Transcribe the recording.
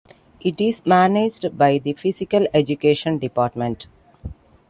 It is managed by the Physical Education department.